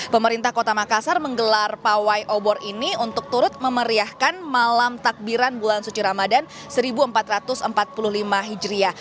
pemerintah kota makassar menggelar pawai obor ini untuk turut memeriahkan malam takbiran bulan suci ramadan seribu empat ratus empat puluh lima hijriah